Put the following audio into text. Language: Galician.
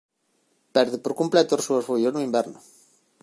Perde por completo as súas follas no inverno.